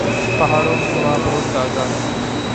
پہاڑوں میں ہوا بہت تازہ ہے۔